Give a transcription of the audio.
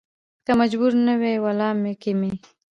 که مجبور نه وى ولا کې مې